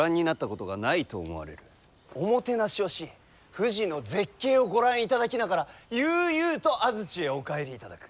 おもてなしをし富士の絶景をご覧いただきながら悠々と安土へお帰りいただく。